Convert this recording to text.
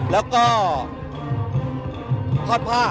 แล้วก็ทอดพ่อ